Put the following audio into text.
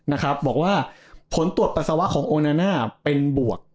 นะครับบอกว่าผลตรวจปัสสาวะของโอนาน่าเป็นบวก